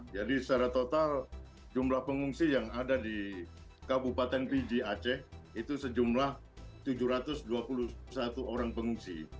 jadi secara total jumlah pengungsi yang ada di kabupaten pidi aceh itu sejumlah tujuh ratus dua puluh satu orang pengungsi